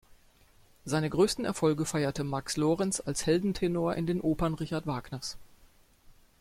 Seine größten Erfolge feierte Max Lorenz als Heldentenor in den Opern Richard Wagners.